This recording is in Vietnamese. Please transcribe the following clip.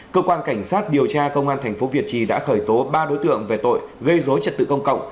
cơ quan cảnh sát điều tra công an tp việt trì đã khởi tố ba đối tượng về tội gây dối trật tự công cộng